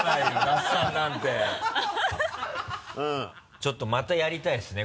ちょっとまたやりたいですね